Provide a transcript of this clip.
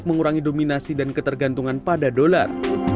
mengurangi dominasi dan ketergantungan pada dolar